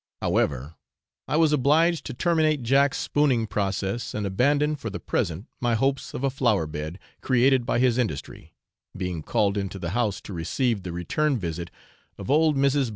However, I was obliged to terminate Jack's spooning process and abandon, for the present, my hopes of a flower bed created by his industry, being called into the house to receive the return visit of old Mrs. S